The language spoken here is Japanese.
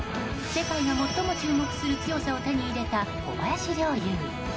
世界が最も注目する強さを手に入れた小林陵侑。